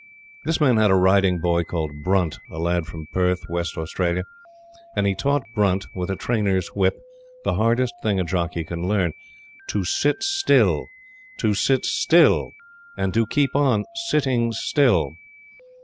This man had a riding boy called Brunt a lad from Perth, West Australia and he taught Brunt, with a trainer's whip, the hardest thing a jock can learn to sit still, to sit still, and to keep on sitting still.